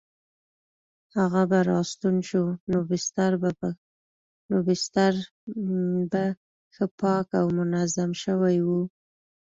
هغه به راستون شو نو بستر به ښه پاک او منظم شوی وو.